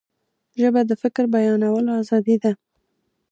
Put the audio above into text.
ژبه د فکر بیانولو آزادي ده